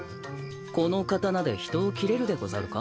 この刀で人を斬れるでござるか？